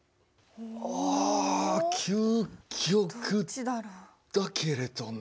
あ究極だけれどね。